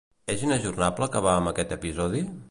És inajornable acabar amb aquest episodi?